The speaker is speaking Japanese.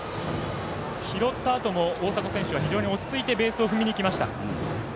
拾ったあとも大迫選手は落ち着いてベースを踏みにいきました。